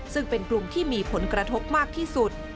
ซึ่งเป็นกลุ่มที่มีผลกระทบมากที่สุด